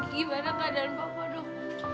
gimana keadaan papa dok